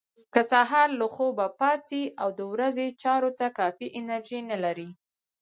که سهار له خوبه پاڅئ او د ورځې چارو ته کافي انرژي نه لرئ.